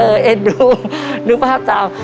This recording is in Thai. เออเอดดูนึกภาพตาม